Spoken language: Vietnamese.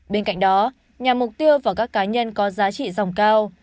bên cạnh đó nhằm mục tiêu vào các cá nhân có giá trị dòng cao